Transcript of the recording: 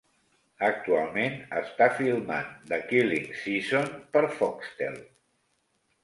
Actualment està filmant The Killing Season per Foxtel.